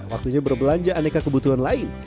waktunya berbelanja aneka kebutuhan lain